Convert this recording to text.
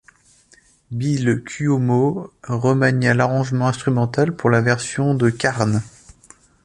Bill Cuomo remania l'arrangement instrumental pour la version de Carnes.